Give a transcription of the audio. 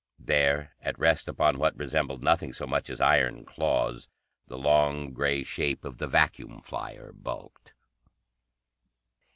There, at rest upon what resembled nothing so much as iron claws, the long gray shape of the vacuum flyer bulked.